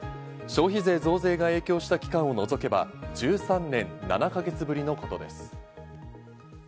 消費税増税が影響した期間を除けば１３年７か月ぶりのことです。